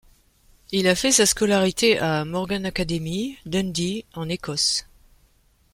Il a fait sa scolarité à Morgan Académie, Dundee, en Écosse.